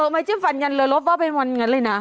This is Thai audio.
ไม่ใช่ฝันกันเลยรบว่าเป็นวันอย่างนั้นเลยนะ